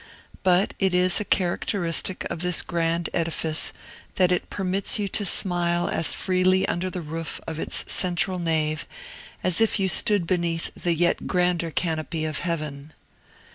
But it is a characteristic of this grand edifice that it permits you to smile as freely under the roof of its central nave as if you stood beneath the yet grander canopy of heaven.